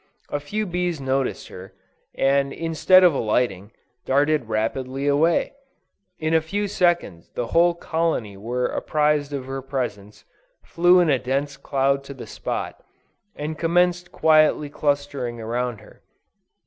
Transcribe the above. A few bees noticed her, and instead of alighting, darted rapidly away; in a few seconds, the whole colony were apprised of her presence, flew in a dense cloud to the spot, and commenced quietly clustering around her.